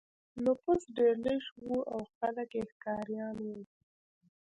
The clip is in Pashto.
نفوس ډېر لږ و او خلک یې ښکاریان وو.